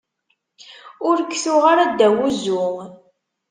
Ur k-tuɣ ara ddaw uzzu.